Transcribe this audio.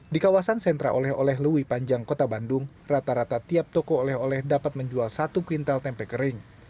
di kawasan sentra oleh oleh lewi panjang kota bandung rata rata tiap toko oleh oleh dapat menjual satu kuintal tempe kering